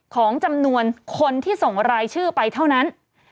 ของจำนวนคนที่ส่งรายชื่อไปเท่านั้น